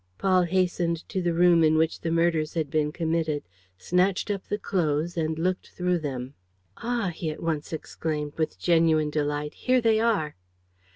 Paul hastened to the room in which the murders had been committed, snatched up the clothes and looked through them: "Ah," he at once exclaimed, with genuine delight, "here they are!"